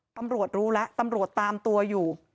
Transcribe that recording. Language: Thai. ตำรวจรู้แล้วตำรวจตามตัวอยู่